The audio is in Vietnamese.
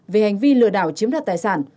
về hành vi lừa đảo chiếm đoạt tài sản